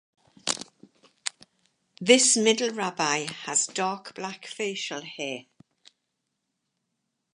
This middle rabbi has dark black facial hair.